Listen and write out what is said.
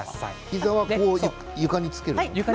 膝は床につけるの？